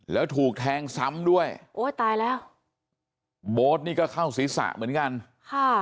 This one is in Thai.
แล้วถูกแทงซ้ำด้วยโอ้ยตายแล้วโบ๊ทนี่ก็เข้าศีรษะเหมือนกันค่ะ